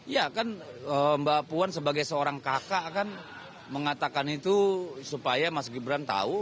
ya kan mbak puan sebagai seorang kakak kan mengatakan itu supaya mas gibran tahu